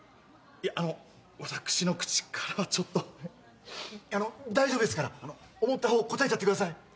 いやあの私の口からはちょっとあの大丈夫ですから思った方答えちゃってください